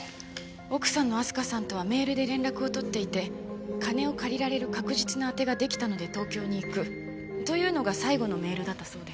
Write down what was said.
奥さんの明日香さんとはメールで連絡を取っていて「金を借りられる確実な当てができたので東京に行く」というのが最後のメールだったそうです。